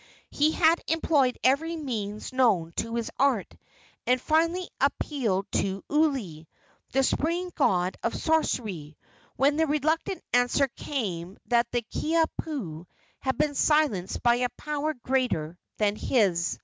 He had employed every means known to his art, and finally appealed to Uli, the supreme god of sorcery, when the reluctant answer came that the Kiha pu had been silenced by a power greater than his.